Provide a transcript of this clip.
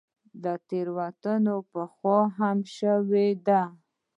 دا تېروتنه پخوا هم شوې ده.